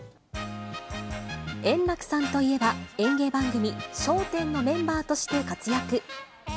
円楽さんといえば、演芸番組、笑点のメンバーとして活躍。